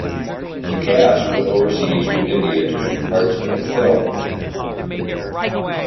The cast went overseas to India to shoot parts of the film.